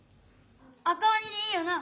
「赤おに」でいいよな？